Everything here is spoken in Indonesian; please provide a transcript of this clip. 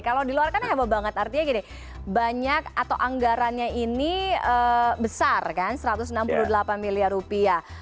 kalau di luar kan heboh banget artinya gini banyak atau anggarannya ini besar kan satu ratus enam puluh delapan miliar rupiah